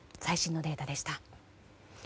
最新のデータでした。